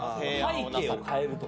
背景を変えるとか。